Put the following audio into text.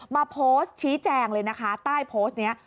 มาโพสต์ชี้แจงเลยนะคะใต้โพสต์นี้